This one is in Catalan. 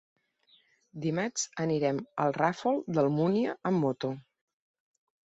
Dimarts anirem al Ràfol d'Almúnia amb moto.